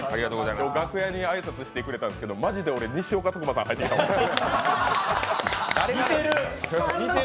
今日、楽屋に挨拶に来てくれたんですけど、まじで俺、西岡徳馬さんが入ってきたと思った。